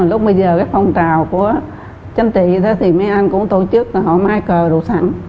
lúc bây giờ cái phong trào của chánh trị đó thì mấy anh cũng tổ chức rồi họ mái cờ rồi sẵn